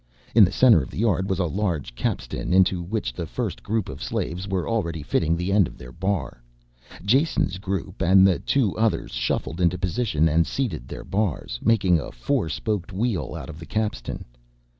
In the center of the yard was a large capstan into which the first group of slaves were already fitting the end of their bar. Jason's group, and the two others, shuffled into position and seated their bars, making a four spoked wheel out of the capstan.